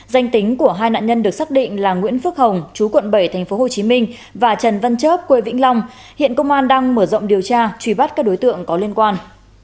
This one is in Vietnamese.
danh tính của hai nạn nhân được xác định là nguyễn phước hồng chú quận bảy tp hcm và trần văn chớp quê vĩnh long hiện công an đang mở rộng điều tra truy bắt các đối tượng có liên quan